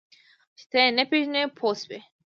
چې ته یې نه پېژنې پوه شوې!.